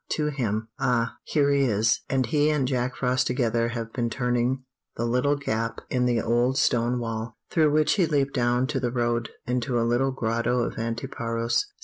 to him. Ah, here he is! and he and Jack Frost together have been turning the little gap in the old stone wall, through which he leaped down to the road, into a little grotto of Antiparos.